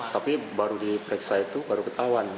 tapi baru diperiksa itu baru ketahuan